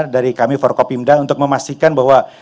dari kami forkopimda untuk memastikan bahwa